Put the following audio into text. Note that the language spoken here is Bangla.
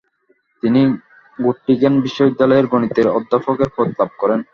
তিনি গ্যোটিঙেন বিশ্ববিদ্যালয়ের গণিতের অধ্যাপকের পদ লাভ করেন।